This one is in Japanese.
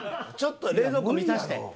ちょっと冷蔵庫見させて。